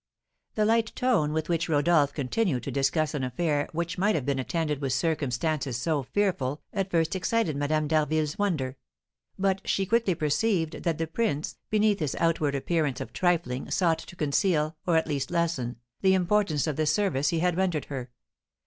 The light tone with which Rodolph continued to discuss an affair which might have been attended with circumstances so fearful, at first excited Madame d'Harville's wonder; but she quickly perceived that the prince, beneath his outward appearance of trifling, sought to conceal, or at least lessen, the importance of the service he had rendered her.